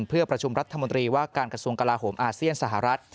เพื่อประชุมรัฐมนตรีว่าการกระทรวงกลาโหมอาเซียนสหรัฐ